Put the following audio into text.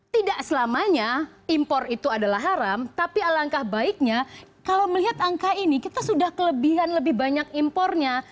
tidak selamanya impor itu adalah haram tapi alangkah baiknya kalau melihat angka ini kita sudah kelebihan lebih banyak impornya